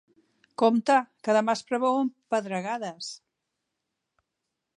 Compte, que demà es preveuen pedregades.